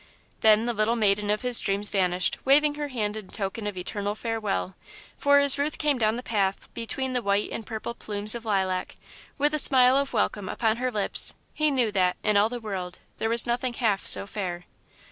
Then the little maiden of his dreams vanished, waving her hand in token of eternal farewell, for as Ruth came down the path between the white and purple plumes of lilac, with a smile of welcome upon her lips, he knew that, in all the world, there was nothing half so fair.